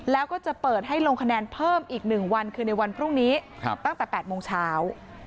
แล้วก็จะเปิดให้ลงคะแนนเพิ่มอีก๑วันคือในวันพรุ่งนี้ตั้งแต่๘โมงเช้า